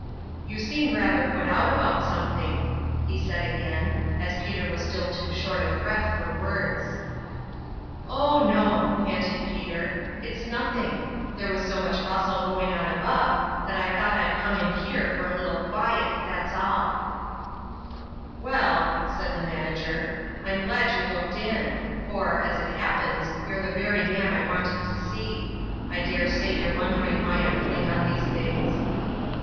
" You seem rather put out about something," he said again, as Peter was still too short of breath for words. "Oh, no," panted Peter, "it's nothing. There was so much bustle going on above that I thought I'd come in here for a little quiet ; that's all." 164 0tirmalin'0 ime Cheques. " Well," said the manager, " I'm glad you looked in ; for, as it happens, you're the very man I wanted to see. I dare say you're won dering why I'm putting on these things